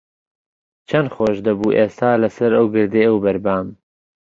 چەند خۆش دەبوو ئێستا لەسەر ئەو گردەی ئەوبەر بام.